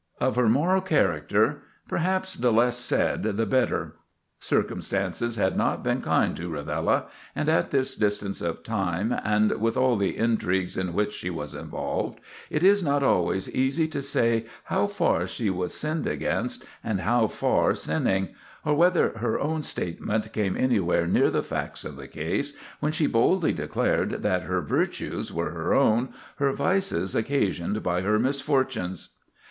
Of her moral character, perhaps, the less said the better. Circumstances had not been kind to Rivella; and at this distance of time, and with all the intrigues in which she was involved, it is not always easy to say how far she was sinned against, and how far sinning, or whether her own statement came anywhere near the facts of the case when she boldly declared that "her virtues" were "her own, her vices occasioned by her misfortunes."